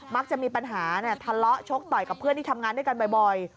จะมีปัญหาทะเลาะชกต่อยกับเพื่อนที่ทำงานด้วยกันบ่อย